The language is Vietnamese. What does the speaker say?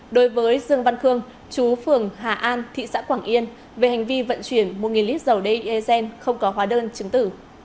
đối với dương văn khương chú phường hà an thị xã quảng yên về hành vi vận chuyển một lít dầu dsn không có hóa đơn chứng tử